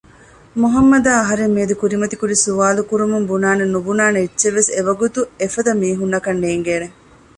މުހައްމަދާ އަހަރެން މިއަދު ކުރިމަތި ކުރި ސުވާލުކުރުމުން ބުނާނެ ނުބުނާނެ އެއްޗެއް ވެސް އެވަގުތު އެފަދަ މީހުންނަކަށް ނޭނގޭނެ